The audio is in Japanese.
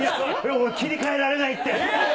俺、切り替えられないって。